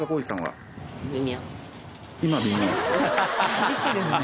厳しいですね。